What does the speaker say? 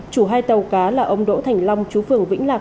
chủ hai tàu cá là ông đỗ thành long chú phường vĩnh lạc